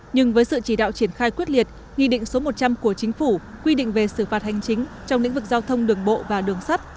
nhưng với sự chỉ đạo triển khai quyết liệt nghị định số một trăm linh của chính phủ quy định về xử phạt hành chính trong lĩnh vực giao thông đường bộ và đường sắt